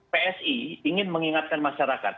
psi ingin mengingatkan masyarakat